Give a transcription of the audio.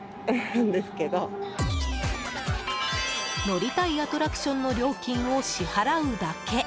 乗りたいアトラクションの料金を支払うだけ。